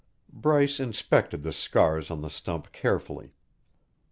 Bryce inspected the scars on the stump carefully.